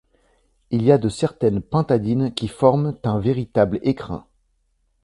Il y a de certaines pintadines qui forment un véritable écrin.